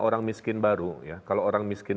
orang miskin baru ya kalau orang miskin